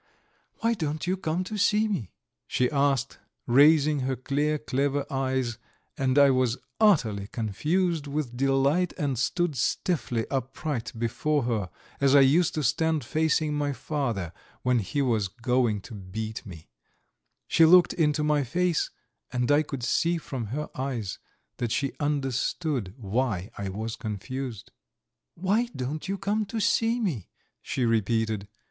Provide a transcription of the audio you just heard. "Why don't you come to see me?" she asked, raising her clear, clever eyes, and I was utterly confused with delight and stood stiffly upright before her, as I used to stand facing my father when he was going to beat me; she looked into my face and I could see from her eyes that she understood why I was confused. "Why don't you come to see me?" she repeated.